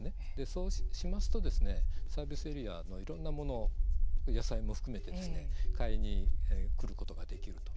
そうしますとですねサービスエリアのいろんなものを野菜も買いに来ることができると。